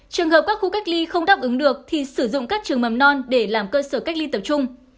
trường hợp các khu cách ly không đáp ứng được thì sử dụng các trường mầm non để làm cơ sở cách ly tập trung